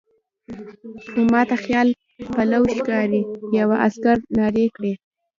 خو ما ته خیال پلو ښکاري، یوه عسکر نارې کړې.